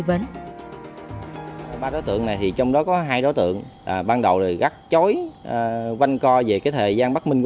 vấn ba đối tượng này thì trong đó có hai đối tượng ban đầu gắt chói văn co về cái thời gian bất minh